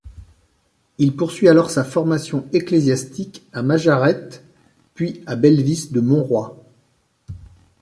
Il poursuit alors sa formation ecclésiastique à Majaretes, puis à Belvis de Monroy.